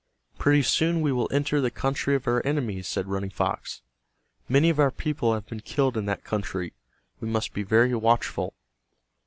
"Pretty soon we will enter the country of our enemies," said Running Fox. "Many of our people have been killed in that country. We must be very watchful."